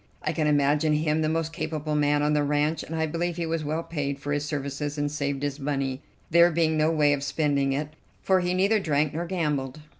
I can imagine him the most capable man on the ranch, and I believe he was well paid for his services and saved his money, there being no way of spending it, for he neither drank nor gambled.